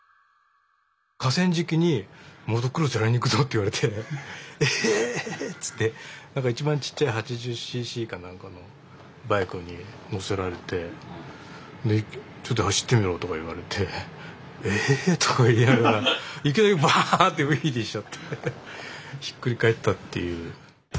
「河川敷にモトクロスやりにいくぞ」って言われて「え⁉」つって一番ちっちゃい８０ｃｃかなんかのバイクに乗せられて「ちょっと走ってみろ」とか言われて「え⁉」とか言いながらいきなりバーッてウイリーしちゃってひっくり返ったっていう。